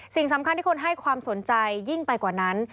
สิ่งสำคัญที่คนให้ความสนใจยิ่งไปกว่านั้น